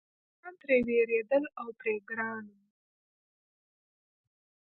نوکران ترې وېرېدل او پرې ګران وو.